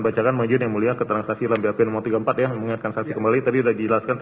pak idil yang bisa menjelaskan